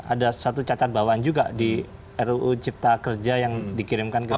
ada satu catatan bawaan juga di ruu cipta kerja yang dikirimkan ke kpk